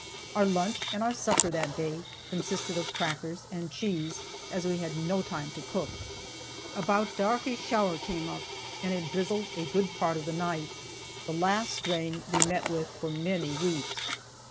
Our lunch and our supper that day consisted of crackers and cheese, as we had no time to cook. About dark a shower came up, and it drizzled a good part of the night the last rain we met with for many weeks.